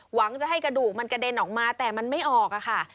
หวังจะให้กระดูกมันกระเด็นออกมาแต่มันไม่ออกค่ะ